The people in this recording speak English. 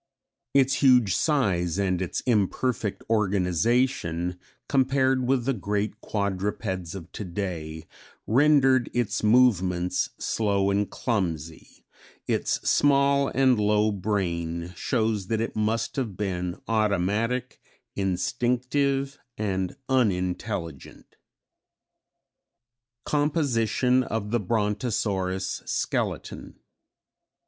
Its huge size and its imperfect organization, compared with the great quadrupeds of today, rendered its movements slow and clumsy; its small and low brain shows that it must have been automatic, instinctive and unintelligent." _Composition of the Brontosaurus Skeleton.